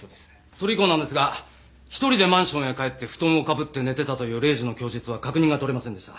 それ以降なんですが１人でマンションへ帰って布団をかぶって寝てたという礼二の供述は確認が取れませんでした。